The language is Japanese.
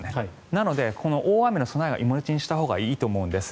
なので、大雨の備えは今のうちにしたほうがいいと思うんです。